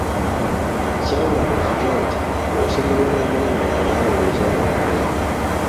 Kyawanuuzibwanga nti bw'osekerera omulema nga naawe ozaala omulema.